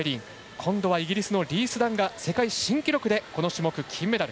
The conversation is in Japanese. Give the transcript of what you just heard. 今度はイギリスのリース・ダンが世界新記録でこの種目、金メダル。